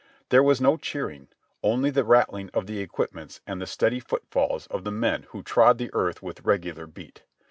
There was no cheering, only the rattling of the equipments and the steady footfalls of the men who trod the earth with regular beat.